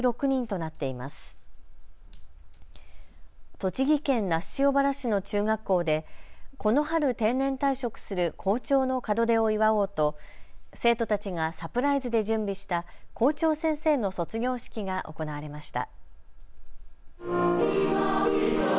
栃木県那須塩原市の中学校でこの春、定年退職する校長の門出を祝おうと生徒たちがサプライズで準備した校長先生の卒業式が行われました。